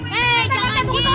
hei jangan gitu dong